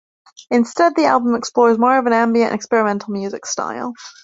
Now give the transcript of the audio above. Instead, the album explores more of an ambient and experimental music style.